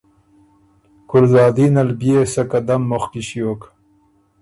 ګلزادین ال بيې سۀ قدم مُخکی ݭیوک